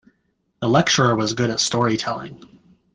The lecturer was good at storytelling.